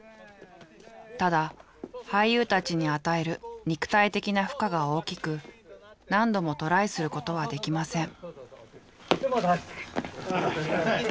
ただ俳優たちに与える肉体的な負荷が大きく何度もトライすることはできません。